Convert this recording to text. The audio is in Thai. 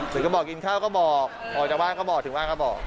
ถึงก็บอกกินข้าวก็บอกออกจากบ้านก็บอกถึงบ้านก็บอก